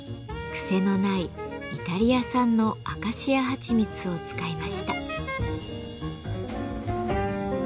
くせのないイタリア産のアカシアはちみつを使いました。